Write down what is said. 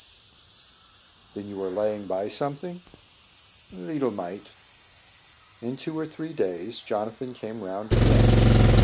"Then you are laying by something?" "Leetle mite." In two or three days, Jonathan came round again.